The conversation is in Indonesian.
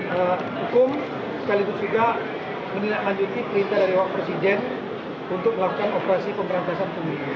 hukum sekaligus juga menilai lanjuti perintah dari wak presiden untuk melakukan operasi pemerintahan